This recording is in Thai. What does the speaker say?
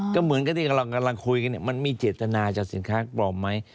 ก็เหมือนกับที่เรากำลังคุยกันเนี่ยมันมีเจตนาจะเอาสินค้าปลอมมั้ย